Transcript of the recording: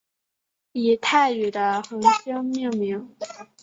以泰语的恒星命名。